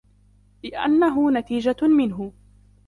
لِأَنَّهُ نَتِيجَةٌ مِنْهُ